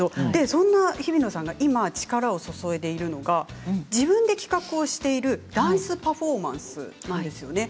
そんなひびのさんが今力を注いでいるのが自分で企画をしているダンスパフォーマンスなんですよね。